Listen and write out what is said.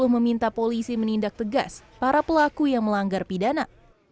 meminta polisi menindak tegas para pelaku yang melanggar pidana